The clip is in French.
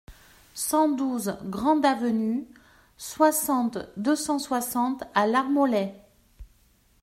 cent douze grande Avenue, soixante, deux cent soixante à Lamorlaye